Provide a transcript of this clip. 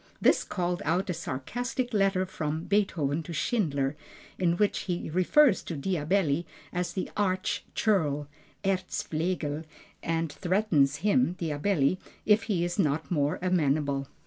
This called out a sarcastic letter from Beethoven to Schindler, in which he refers to Diabelli as an arch churl (Erzflegel), and threatens him (Diabelli), if he is not more amenable.